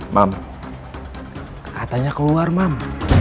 mam katanya keluar mam